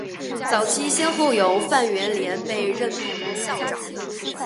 早期先后有范源濂被任命校长。